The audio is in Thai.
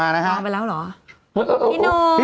อ่านะครับ